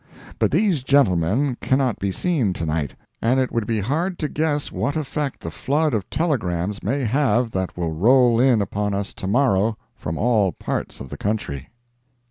But these gentlemen cannot be seen to night, and it would be hard to guess what effect the flood of telegrams may have that will roll in upon us tomorrow from all parts of the country.